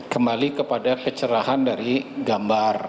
kembali kepada kecerahan dari gambar